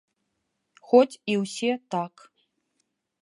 Хоць і ўсе так.